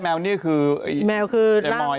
แมวนี่คือเจมาว์ยใช่มั้ย